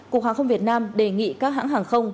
cục hàng không việt nam đề nghị các hãng hàng không